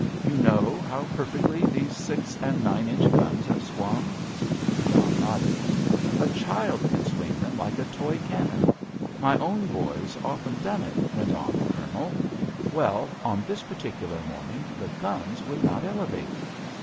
You know how perfectly these six and nine inch guns are swung?" John nodded. "A child can swing them like a toy cannon. My own boy's often done it," went on the Colonel. "Well, on this particular morning the guns would not elevate.